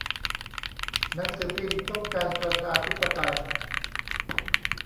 หนังสือพิมพ์ต้องการประชาธิปไตย